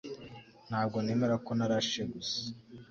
Ntabwo nemera ko narashe gusa